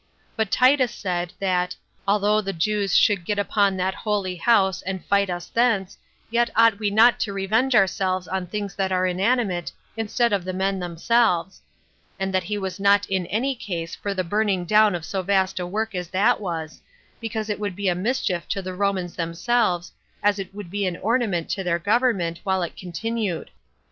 But Titus said, that "although the Jews should get upon that holy house, and fight us thence, yet ought we not to revenge ourselves on things that are inanimate, instead of the men themselves;" and that he was not in any case for burning down so vast a work as that was, because this would be a mischief to the Romans themselves, as it would be an ornament to their government while it continued.